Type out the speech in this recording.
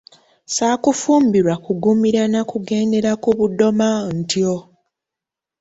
Saakufumbirwa kugumira na kugendera ku budoma ntyo.